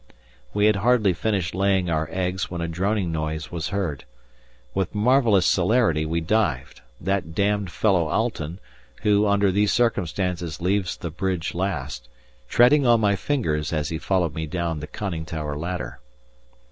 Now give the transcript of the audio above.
We had hardly finished laying our eggs when a droning noise was heard. With marvellous celerity we dived, that damned fellow Alten, who, under these circumstances leaves the bridge last, treading on my fingers as he followed me down the conning tower ladder.